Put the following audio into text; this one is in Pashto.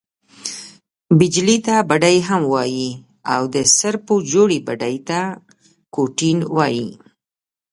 بیجلي ته بډۍ هم وايي او، د سرپو جوړي بډۍ ته بیا کوټین وايي.